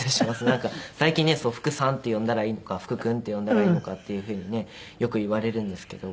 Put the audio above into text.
なんか最近ね「福さん」って呼んだらいいのか「福君」って呼んだらいいのかっていうふうにねよく言われるんですけど。